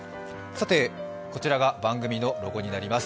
こちらが番組のロゴになります。